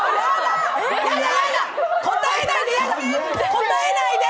答えないで！